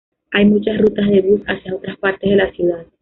Hay muchas rutas de bus hacia otras partes de la ciudad.